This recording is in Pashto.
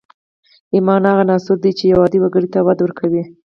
ايمان هغه عنصر دی چې يو عادي وګړي ته وده ورکوي.